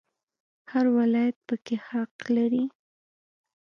هر ولایت پکې حق لري